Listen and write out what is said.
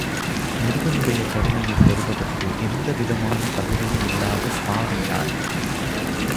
முருகனுடைய கருணையைப் பெறுவதற்கு எந்த விதமான தகுதியும் இல்லாத பாவி நான்.